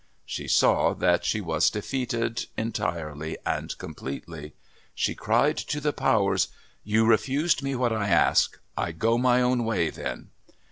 She saw that she was defeated, entirely and completely. She cried to the Powers: "You've refused me what I ask. I go my own way, then."